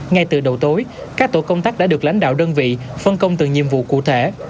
ngay từ đầu tối các tổ công tác đã được lãnh đạo đơn vị phân công từ nhiệm vụ cụ thể